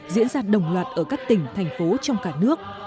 diễn ra đồng loạt ở các tỉnh thành phố trong cả nước